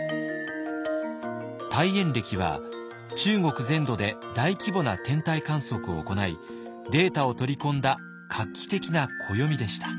大衍暦は中国全土で大規模な天体観測を行いデータを取り込んだ画期的な暦でした。